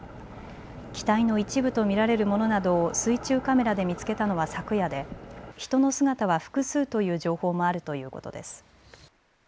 機体の一部と見られるものなどを水中カメラで見つけたのは昨夜で人の姿は複数という情報もあるということです。